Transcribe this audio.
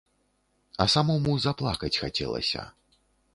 А самому заплакаць хацелася.